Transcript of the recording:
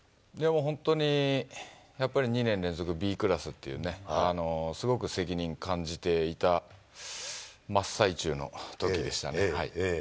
本当にやっぱり２年連続Ｂクラスっていう、すごく責任感じていた真っ最中のときでしたので。